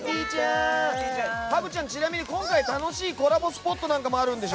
ハグちゃん、ちなみに今回楽しいコラボスポットもあるんでしょ。